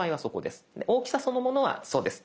で大きさそのものはそうです。